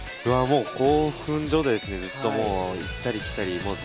興奮状態ですね、ずっと、行ったり来たり。